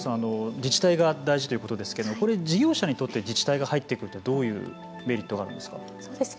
自治体が大事ということですがこれ事業者にとって自治体が入るというのはどういうメリットがあるんですか。